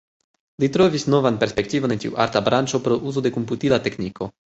Li trovis novan perspektivon en tiu arta branĉo pro uzo de komputila tekniko.